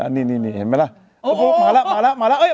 อ่านี่นี่นี่เห็นไหมล่ะโอ้โหมาแล้วมาแล้วมาแล้วเอ้ย